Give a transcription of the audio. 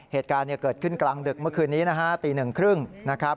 เหตุการณ์เกิดขึ้นกลางดึกเมื่อคืนนี้ตี๑๓๐น